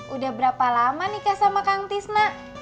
udah berapa lama nikah sama kang tisna